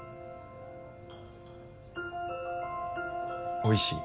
おいしい。